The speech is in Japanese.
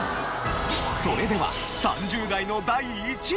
それでは３０代の第１位は。